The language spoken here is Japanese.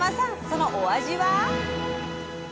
そのお味は？